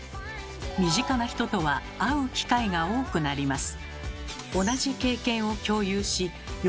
身近な人とは会う機会が多くなります。